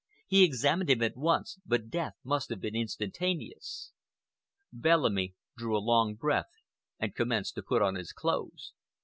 "He examined him at once, but death must have been instantaneous." Bellamy drew a long breath and commenced to put on his clothes.